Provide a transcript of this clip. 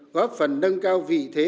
góp phần nâng cao vị thế